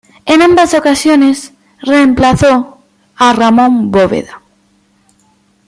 En ambas ocasiones remplazó a Ramón Bóveda.